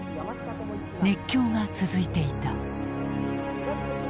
熱狂が続いていた。